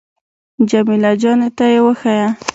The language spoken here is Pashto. جمیله جانې ته يې وښيه.